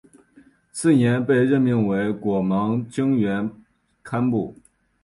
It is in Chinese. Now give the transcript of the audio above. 次年被任命为果芒经院堪布。